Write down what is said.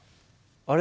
あれ？